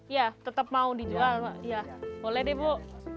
ya tetap mau dijual boleh deh bu